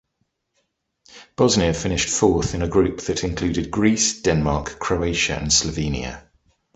Bosnia finished fourth in a group that included Greece, Denmark, Croatia and Slovenia.